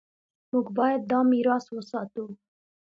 موږ باید دا میراث وساتو.